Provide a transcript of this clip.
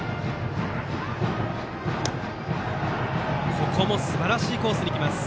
ここもすばらしいコースに来ます。